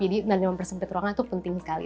jadi dan yang mempersempit ruangan itu penting sekali